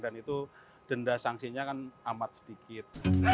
dan itu denda sangsinya kan amat sedikit